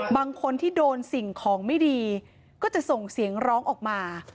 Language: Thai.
บางคนที่โดนสิ่งของไม่ดีก็จะส่งเสียงร้องออกมา